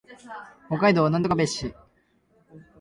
北海道芦別市